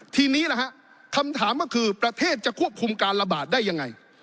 ทีนี้นะฮะคำถามก็คือประเทศจะควบคุมการระบาดได้ยังไง